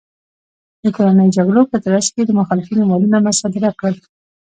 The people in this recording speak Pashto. د کورنیو جګړو په ترڅ کې یې د مخالفینو مالونه مصادره کړل